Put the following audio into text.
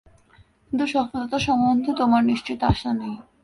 কিন্তু সফলতা সম্বন্ধে তোমার নিশ্চিত আশা নেই।